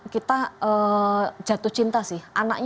kita jatuh cinta sih